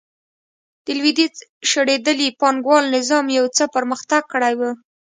د لوېدیځ شړېدلي پانګوال نظام یو څه پرمختګ کړی و.